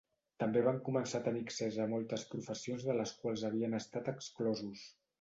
També van començar a tenir accés a moltes professions de les quals havien estat exclosos.